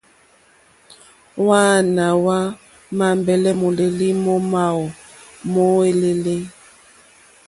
Hwàana hwa ambɛlɛ mòlèli mo awu mo èlèlè.